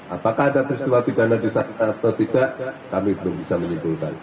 apakah ada peristiwa pidana di sana atau tidak kami belum bisa menyimpulkan